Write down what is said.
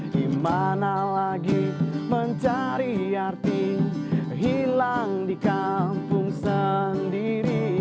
di mana lagi mencari arti hilang di kampung sendiri